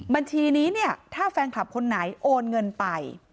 บัญชีนี้เนี่ยถ้าแฟนคลับคนไหนโอนเงินไป